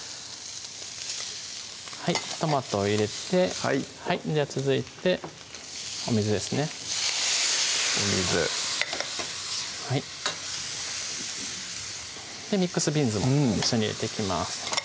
トマトを入れて続いてお水ですねお水はいミックスビーンズも一緒に入れていきます